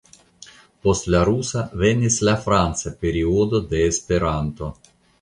Post la Rusa venis la Franca periodo de Esperanto.